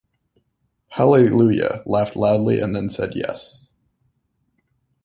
Hallelujah", laughed loudly and then said "Yes.